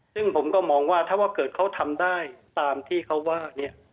ซึ่งผมก็มองว่าถ้าว่าเกิดเขาทำได้ตามที่เขาว่าเนี่ย